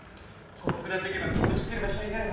ここ下っていけばきっと知ってる場所に出るはずです。